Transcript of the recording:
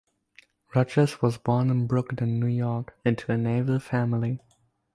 Rodgers was born in Brooklyn, New York, into a naval family.